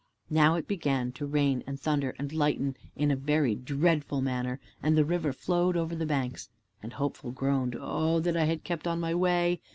Now it began to rain and thunder and lighten in a very dreadful manner, and the river flowed over the banks. And Hopeful groaned, "Oh that I had kept on my way."